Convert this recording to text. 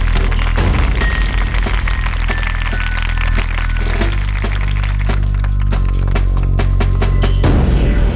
สวัสดีครับ